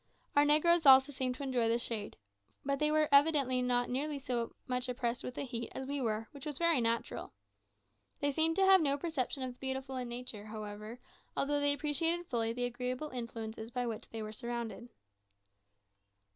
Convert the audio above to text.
Our negroes also seemed to enjoy the shade, but they were evidently not nearly so much oppressed with the heat as we were, which was very natural. They seemed to have no perception of the beautiful in nature, however, although they appreciated fully the agreeable influences by which they were surrounded.